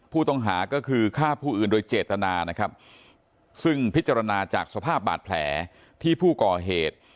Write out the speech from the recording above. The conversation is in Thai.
ผู้ต้องหาก็คือฆ่าผู้อื่นโดยเจตนานะครับซึ่งพิจารณาจากสภาพบาดแผลที่ผู้ก่อเหตุ